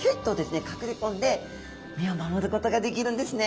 隠れ込んで身を守ることができるんですね。